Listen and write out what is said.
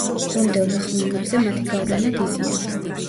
მომდევნო ხმოვნებზე მათი გავლენა დიდია.